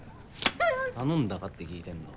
頼んだかって聞いてんの。